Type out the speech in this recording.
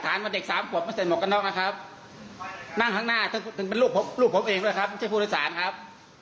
คุณก็ออกใบสั่งผมจะได้กลับไปทำมาหากินครับ